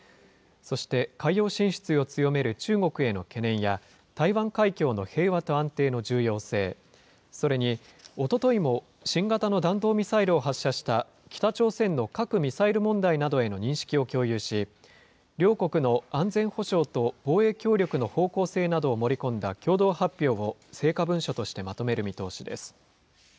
そして、海洋進出を強める中国への懸念や、台湾海峡の平和と安定の重要性、それにおとといも新型の弾道ミサイルを発射した北朝鮮の核・ミサイル問題などへの認識を共有し、両国の安全保障と防衛協力の方向性などを盛り込んだ共同発表を成果文書としてまとめる見通しです。